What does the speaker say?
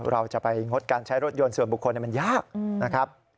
เราจะไปงดการใช้รถยนต์ส่วนบุคคลมันยากนะครับ